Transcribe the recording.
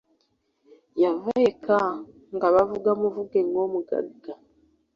Yava eka nga bavuga muvuge ng'omugagga.